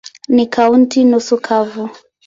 Ni kaunti nusu kavu.